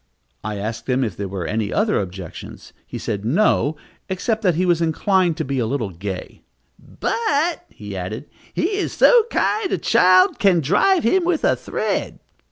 I asked him if there were any other objections. He said no, except that he was inclined to be a little gay; "but," he added, "he is so kind, a child can drive him with a thread."